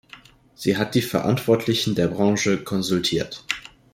Sie hat die Verantwortlichen der Branche konsultiert.